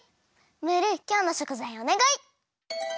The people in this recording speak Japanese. ムールきょうのしょくざいをおねがい！